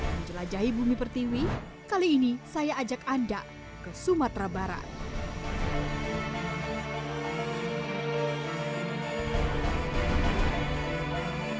menjelajahi bumi pertiwi kali ini saya ajak anda ke sumatera barat